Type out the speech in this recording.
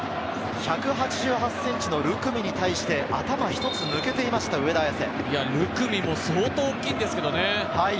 １８８ｃｍのルクミに対して頭一つ抜けていました、上田綺世。